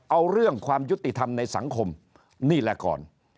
เอาเรื่องความยุติธรรมในสังคมนี่แหละก่อน